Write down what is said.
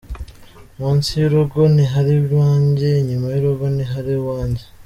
Munsi y’urugo ntihari iwanjye, inyuma y’urugo ntihari iwanjye.